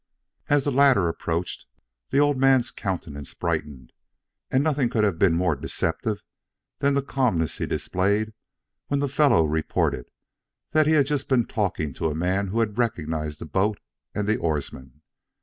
As the latter approached, the old man's countenance brightened, and nothing could have been more deceptive than the calmness he displayed when the fellow reported that he had just been talking to a man who had recognized the boat and the oarsman.